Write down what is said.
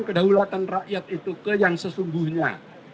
kedaulatan rakyat itu ke yang sesungguhnya